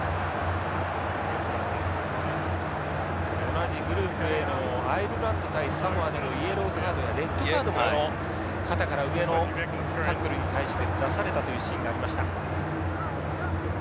同じグループでアイルランド対サモアでもイエローカードがレッドカードが肩から上のタックルに対して出されたというシーンがありました。